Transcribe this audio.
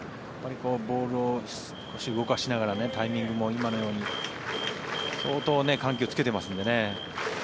ボールを少し動かしながらタイミングも今のように相当、緩急つけてますのでね。